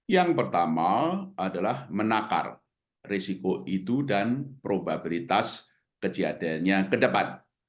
yang pertama adalah menakar risiko itu dan probabilitas kejadiannya ke depan